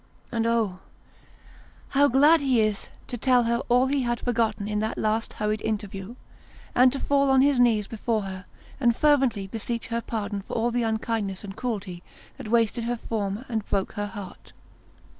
And oh ! how glad he is to tell her all he had forgotten in that last hurried interview, and to fall on his knees before her and fervently beseech her pardon 158 Sketches by Boz. for all the unkindness and cruelty that wasted her form and broke her heart